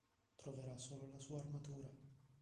Troverà solo la sua armatura.